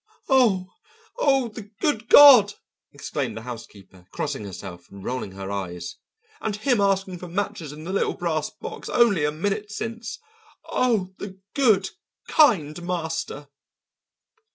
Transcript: "Oh, oh, the good God!" exclaimed the housekeeper, crossing herself and rolling her eyes. "And him asking for matches in the little brass box only a minute since. Oh, the good, kind master!"